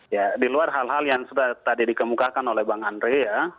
ya di luar hal hal yang sudah tadi dikemukakan oleh bang andre ya